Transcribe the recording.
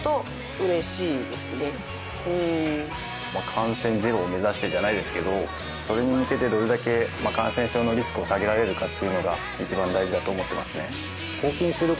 感染ゼロを目指してじゃないですけどそれに向けてどれだけ感染症のリスクを下げられるかっていうのが一番大事だと思っていますね。